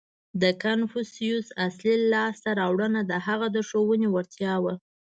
• د کنفوسیوس اصلي لاسته راوړنه د هغه د ښوونې وړتیا وه.